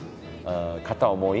片思い。